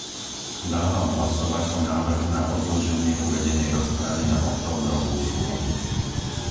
Dávam hlasovať o návrhu na odloženie uvedenej rozpravy na októbrovú schôdzu.